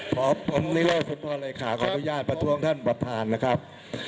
ขอผมได้เลือกสุดพอร์ตเลยค่ะขออนุญาตประทวงท่านประทานนะครับ